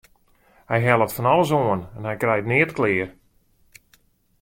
Hy hellet fan alles oan en hy krijt neat klear.